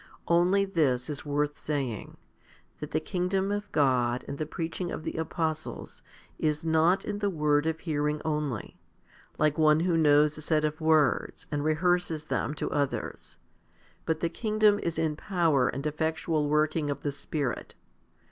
Only this is worth saying, that the kingdom of God and the preaching of the apostles is not in the word of hearing only, like one who knows a set of words and rehearses them to others, but the kingdom is in power and effectual working of the Spirit.